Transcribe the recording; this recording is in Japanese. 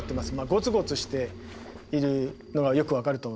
ゴツゴツしているのがよく分かると思います。